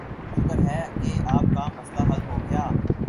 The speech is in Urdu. شکر ہے کہ آپ کا مسئلہ حل ہوگیا